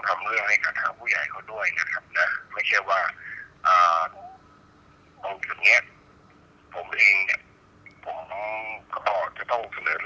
คุณพ่อได้จดหมายมาที่บ้าน